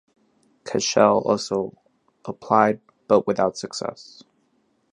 Cashel also applied, but without success.